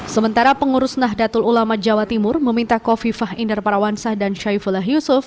sementara pengurus nahdlatul ulama jawa timur meminta kofifa indar parawansa dan saifullah yusuf